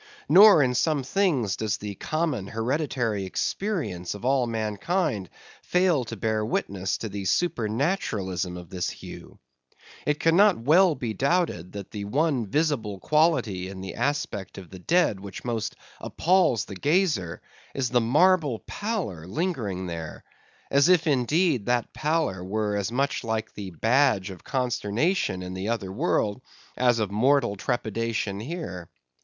Nor, in some things, does the common, hereditary experience of all mankind fail to bear witness to the supernaturalism of this hue. It cannot well be doubted, that the one visible quality in the aspect of the dead which most appals the gazer, is the marble pallor lingering there; as if indeed that pallor were as much like the badge of consternation in the other world, as of mortal trepidation here.